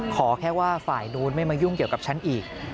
ขอแค่ว่าฝ่ายนู้นไม่มายุ่งเกี่ยวกับฉันอีก